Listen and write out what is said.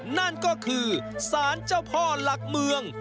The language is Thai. นั่นก็คือสารเจ้าพ่อหลักเมือง